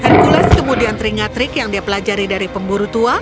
hercules kemudian teringat trik yang dia pelajari dari pemburu tua